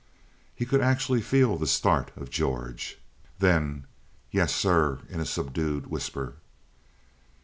He could actually feel the start of George. Then: "Yes, sir," in a subdued whisper.